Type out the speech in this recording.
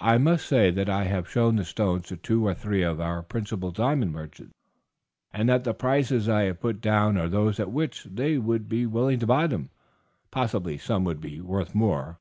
I may say that I have shown the stones to two or three of our principal diamond merchants, and that the prices I have put down are those at which they would be willing to buy them; possibly some would be worth more.